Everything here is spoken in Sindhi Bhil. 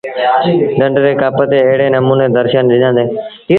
ڍنڍ ري ڪپ تي ايڙي نموٚني درشن ڏنآندي۔